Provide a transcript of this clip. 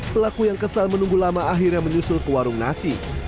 pelaku yang kesal menunggu lama akhirnya menyusul ke warung nasi